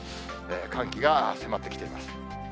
寒気が迫ってきています。